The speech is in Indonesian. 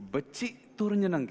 becik turun nyeneng